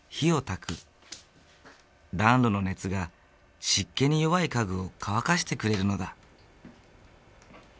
暖炉の熱が湿気に弱い家具を乾かしてくれるのだ。